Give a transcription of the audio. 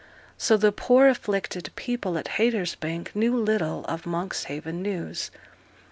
So the poor afflicted people at Haytersbank knew little of Monkshaven news.